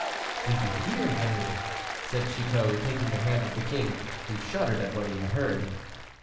"Do you hear, Henri?" said Chicot, taking the hand of the king, who shuddered at what he heard.